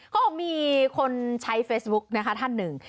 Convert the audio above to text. เขาบอกมีคนใช้เฟซบุ๊กนะคะท่านหนึ่ง